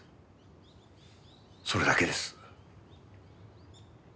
それだけです。